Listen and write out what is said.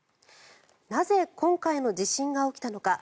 なぜ今回の地震が起きたのか。